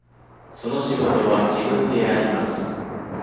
その仕事は自分でやります。